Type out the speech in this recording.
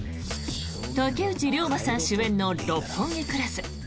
竹内涼真さん主演の「六本木クラス」。